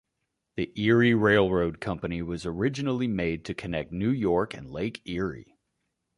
The Erie Railroad Company was originally made to connect New York and Lake Erie.